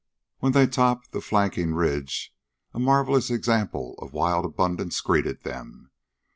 When they topped the flanking ridge a marvelous example of wild abundance greeted them.